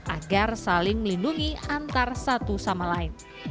agar saling melindungi antar satu sama lain